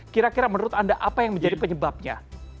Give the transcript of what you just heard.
kira kira menurut anda apa yang menjadi penyebabnya